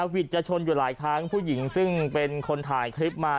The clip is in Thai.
วิทย์จะชนอยู่หลายครั้งผู้หญิงซึ่งเป็นคนถ่ายคลิปมา